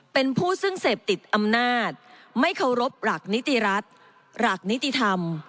เป็นผู้ซึ่งเสพติดอำนาจไม่เคารพหลักนิติรัฐหลักนิติธรรม